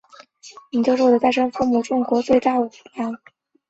曾经是中国最大的鸦片贩子。